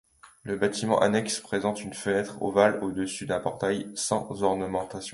Le bâtiment annexe présente une fenêtre ovale au-dessus d'un portail sans ornementations.